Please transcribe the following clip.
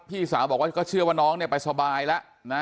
พี่สาวบอกว่าก็เชื่อว่าน้องเนี่ยไปสบายแล้วนะ